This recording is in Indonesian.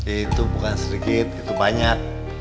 itu bukan sedikit itu banyak